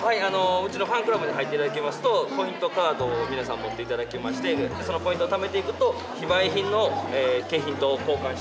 うちのファンクラブに入っていただきますとポイントカードを皆さん持っていただきましてそのポイントをためていくと非売品の景品と交換していただけるという。